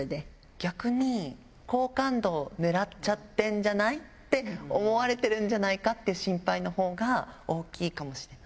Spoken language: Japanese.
逆に、好感度をねらっちゃってんじゃない？って思われてるんじゃないかって心配のほうが大きいかもしれない。